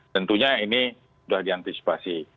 tentunya ini sudah diantisipasi